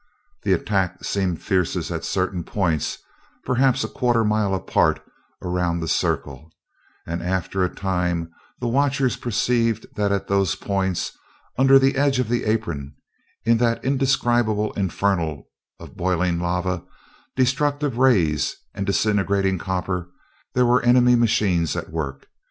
The attack seemed fiercest at certain points, perhaps a quarter of a mile apart around the circle, and after a time the watchers perceived that at those points, under the edge of the apron, in that indescribable inferno of boiling lava, destructive rays, and disintegrating copper, there were enemy machines at work.